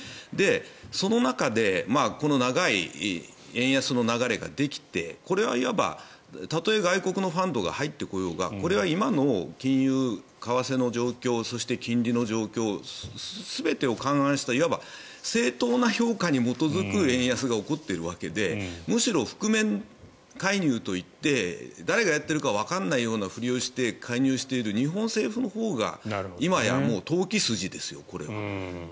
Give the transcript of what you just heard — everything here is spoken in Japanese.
その中で長い円安の流れができてこれはいわば、たとえ外国のファンドが入ってこようがこれは今の金融、為替の状況そして金利の状況全てを勘案したいわば正当な評価に基づく円安が起こっているわけでむしろ覆面介入といって誰がやっているかわからないふりをして介入している日本政府のほうが今や投機筋ですよ、これ。